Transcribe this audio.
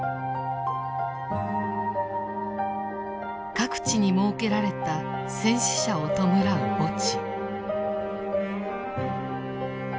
各地に設けられた戦死者を弔う墓地。